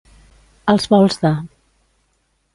Als volts de.